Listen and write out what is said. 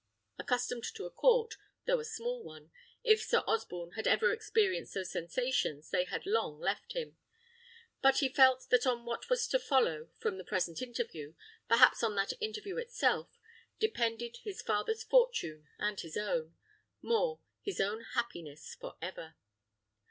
Accustomed to a court, though a small one, if Sir Osborne had ever experienced those sensations, they had long left him; but he felt that on what was to follow from the present interview, perhaps on that interview itself, depended his father's fortune and his own; more: his own happiness for ever.